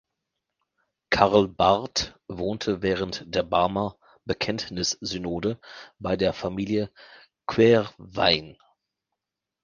Karl Barth wohnte während der Barmer Bekenntnissynode bei der Familie Quervain.